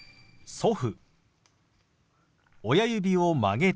「祖父」。